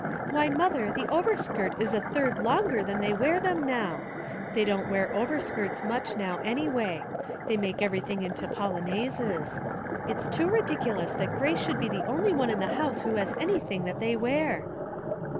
Why, mother, the overskirt is a third longer than they wear them now. They don't wear overskirts much now, anyway ; they make everything into polo naises. It's too ridiculous that Grace should be the only one in the house who has anything that they wear."